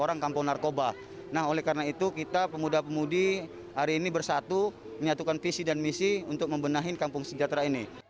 narkoba menjadi kampung sejahtera